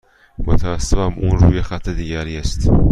متاسفم، او روی خط دیگری است.